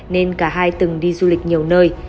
nên cả hai từng đi du lịch nhiều nơi